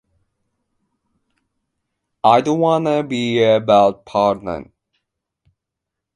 I don't want to be a bad parent.